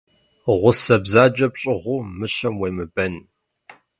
Гъусэ бзаджэ пщӏыгъуу мыщэм уемыбэн.